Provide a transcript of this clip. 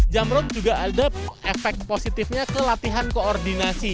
jump rope juga ada efek positifnya ke latihan koordinasi